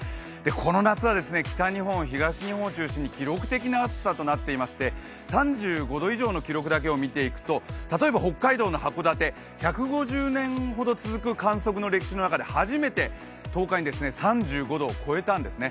この夏は北日本、東日本を中心に記録的な暑さとなっていまして、３５度以上の記録だけを見ていくと例えば北海道の函館、１５０年ほど続く観測の歴史の中で初めて１０日に３５度を超えたんですね。